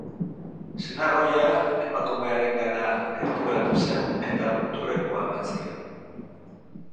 Senar ohia emakumearengana gerturatu zen eta muturrekoa eman zion.